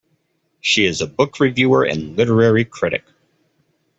She is a book reviewer and literary critic.